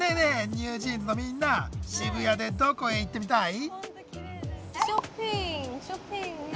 ＮｅｗＪｅａｎｓのみんな渋谷でどこへ行ってみたい？